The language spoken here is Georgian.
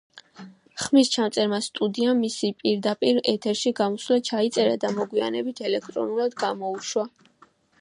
ხმის ჩამწერმა სტუდიამ მისი პირდაპირ ეთერში გამოსვლა ჩაიწერა და მოგვიანებით ელექტრონულად გამოუშვა.